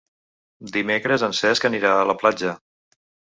Dimecres en Cesc anirà a la platja.